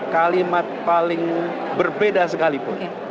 kalimat paling berbeda sekalipun